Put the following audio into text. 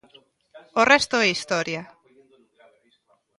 O resto é historia.